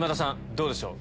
どうでしょう？